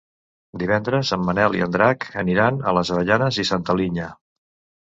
Divendres en Manel i en Drac aniran a les Avellanes i Santa Linya.